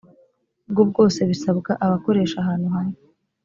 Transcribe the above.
bwo bwose bisabwa abakoresha ahantu hamwe